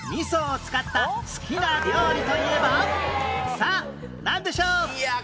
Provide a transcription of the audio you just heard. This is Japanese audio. さあなんでしょう？